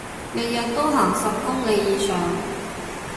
日日都行十公里以上